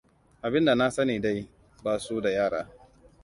Abinda na sani dai, ba su da yara.